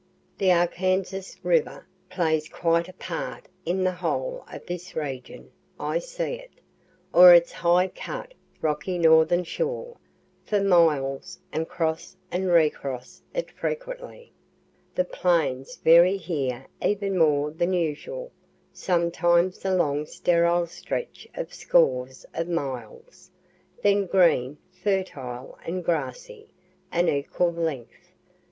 The Arkansas river plays quite a part in the whole of this region I see it, or its high cut rocky northern shore, for miles, and cross and recross it frequently, as it winds and squirms like a snake. The plains vary here even more than usual sometimes a long sterile stretch of scores of miles then green, fertile and grassy, an equal length.